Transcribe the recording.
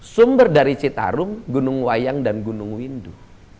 sumber dari citarum gunung wayang dan gunung windu